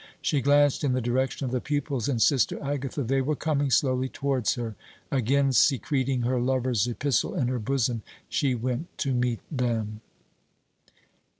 She glanced in the direction of the pupils and Sister Agatha. They were coming slowly towards her. Again secreting her lover's epistle in her bosom, she went to meet them.